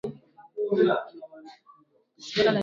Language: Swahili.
Samaki ya pweto inaikalaka miba mingi